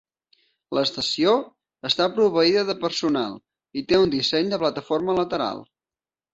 L'estació està proveïda de personal i té un disseny de plataforma lateral.